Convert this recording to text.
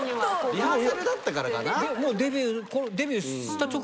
リハーサルだったからかな？